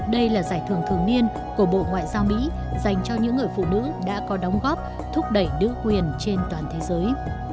đây là giải thưởng thường niên của bộ ngoại giao mỹ dành cho những người phụ nữ đã có đóng góp thúc đẩy nữ quyền trên toàn thế giới